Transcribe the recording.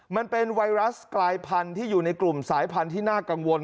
มันเป็นไวรัสกลายพันธุ์ที่อยู่ในกลุ่มสายพันธุ์ที่น่ากังวล